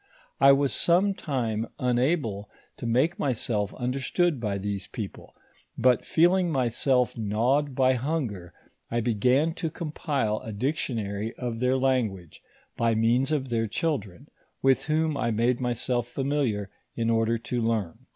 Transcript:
I was some time unable to make myself understood by these people, but feeling myself gnawbU oy hunger, I began to compile a dictionary of their languag ' by means of their children, with whom I made myself familiof) in order to learn.